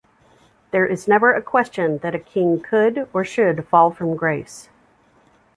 There is never a question that a king could or should fall from grace.